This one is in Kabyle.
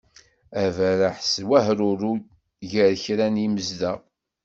Aberreḥ s wahruḥu gar kra n yimezdaɣ